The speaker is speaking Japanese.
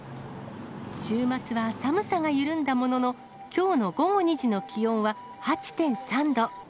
週末は寒さが緩んだものの、きょうの午後２時の気温は８．３度。